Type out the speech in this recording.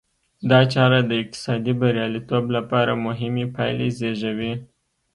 دا چاره د اقتصادي بریالیتوب لپاره مهمې پایلې زېږوي.